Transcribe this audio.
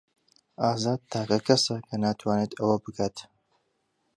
ئازاد تاکە کەسە کە ناتوانێت ئەوە بکات.